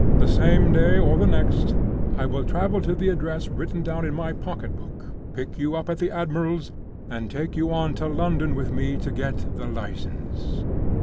The same day or the next, I will travel to the address written down in my pocketbook, pick you up at the admiral's, and take you on to London with me to get the license.